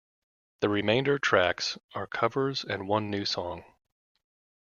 The remainder tracks are covers and one new song.